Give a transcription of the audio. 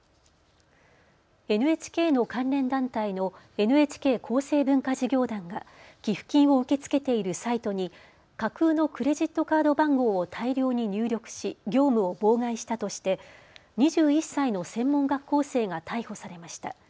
ＮＨＫの関連団体のＮＨＫ厚生文化事業団が寄付金を受け付けているサイトに架空のクレジットカード番号を大量に入力し業務を妨害したとして２１歳の専門学校生が逮捕されました。